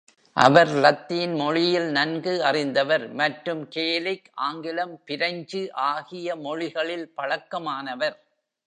அவர் Latin மொழியில் நன்கு அறிந்தவர் மற்றும் கேலிக், ஆங்கிலம், பிரெஞ்சு ஆகிய மொழிகளில் பழக்கமானவர்.